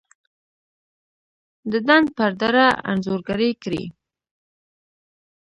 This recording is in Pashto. دډنډ پر دړه انځورګري کړي